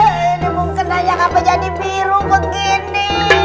ini mungkin aja gak jadi biru begini